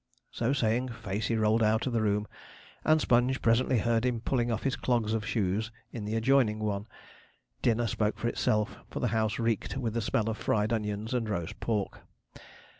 So saying, Facey rolled out of the room, and Sponge presently heard him pulling off his clogs of shoes in the adjoining one. Dinner spoke for itself, for the house reeked with the smell of fried onions and roast pork.